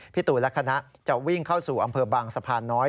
ตูนและคณะจะวิ่งเข้าสู่อำเภอบางสะพานน้อย